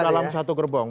tetap dalam satu gerbong